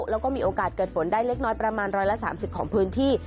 แล้วก็มีโอกาสเกิดฝนได้เล็กน้อยประมาณ๑๓๐ของพื้นที่